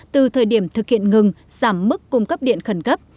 từ thời điểm thực hiện ngừng giảm mức cung cấp điện khẩn cấp